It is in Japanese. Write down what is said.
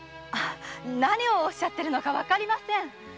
何をおっしゃっているのかわかりません。